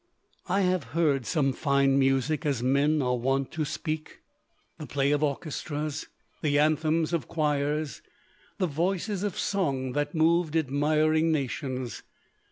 I have heard some fine music, as men are wont to speak the play of orchestras, the anthems of choirs, the voices of song that moved admiring nations.